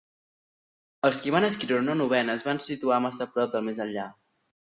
Els qui van escriure una Novena es van situar massa prop del més enllà.